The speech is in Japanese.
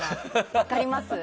分かります。